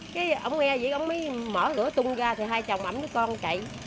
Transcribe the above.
cái ông nghe vậy ông mới mở lửa tung ra hai chồng ẩm đứa con chạy